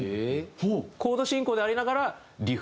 コード進行でありながらリフ。